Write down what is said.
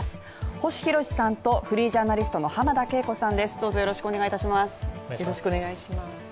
星浩さんと、フリージャーナリストの浜田敬子さんです。